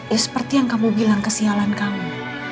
ya seperti yang kamu bilang kesialan kamu